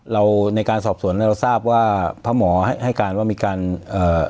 เราในการสอบสวนเนี้ยเราทราบว่าพระหมอให้การว่ามีการเอ่อ